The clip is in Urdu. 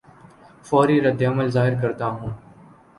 فوری رد عمل ظاہر کرتا ہوں